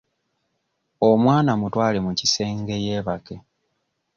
Omwana mutwale mu kisenge yeebake.